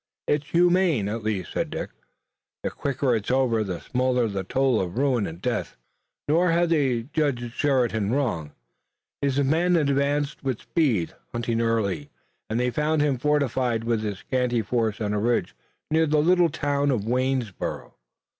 "It's humane, at least," said Dick. "The quicker it's over the smaller the toll of ruin and death." Nor had they judged Sheridan wrongly. His men advanced with speed, hunting Early, and they found him fortified with his scanty forces on a ridge near the little town of Waynesborough.